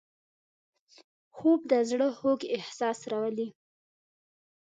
خوب د زړه خوږ احساس راولي